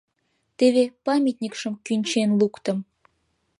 Теве памятникшым кӱнчен луктым.